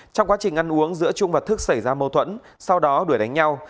trong quá trình ăn uống giữa trung và thức xảy ra mâu thuẫn sau đó đuổi đánh nhau